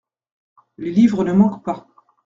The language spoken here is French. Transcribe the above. Les livres ne manquent pas.